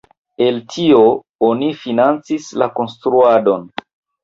El tio oni financis la konstruadon.